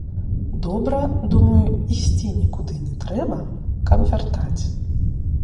Добра, думаю, ісці нікуды не трэба, каб вяртаць.